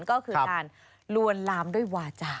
ก็คือการลวนลามด้วยวาจา